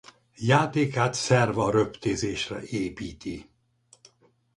Játékát szerva-röptézésre építi.